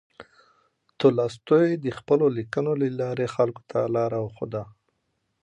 تولستوی د خپلو لیکنو له لارې خلکو ته لاره وښوده.